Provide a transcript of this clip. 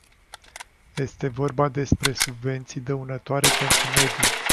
Este vorba despre subvenții dăunătoare pentru mediu.